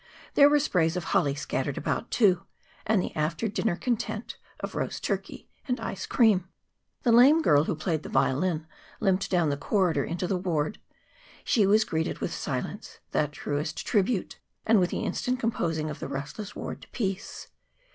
There were sprays of holly scattered about, too, and the after dinner content of roast turkey and ice cream. The lame girl who played the violin limped down the corridor into the ward. She was greeted with silence, that truest tribute, and with the instant composing of the restless ward to peace.